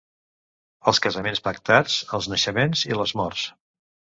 Els casaments pactats, els naixements i les morts.